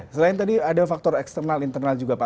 selain tadi ada faktor eksternal internal juga pak